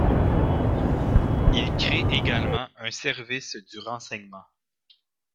Il crée également un service du renseignement.